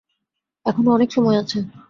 এখনো অনেক সময় আছে।